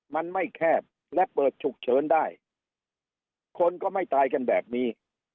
มันไม่แคบและเปิดฉุกเฉินได้คนก็ไม่ตายกันแบบนี้